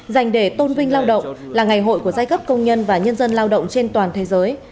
dành để tôn vinh lao động là ngày hội của giai cấp công nhân và nhân dân lao động trên toàn thế giới